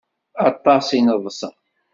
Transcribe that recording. Aṭas i neḍsa.